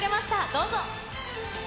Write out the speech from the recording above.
どうぞ。